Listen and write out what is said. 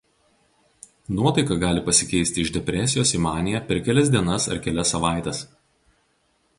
Nuotaika gali pasikeisti iš depresijos į maniją per kelias dienas ar kelias savaites.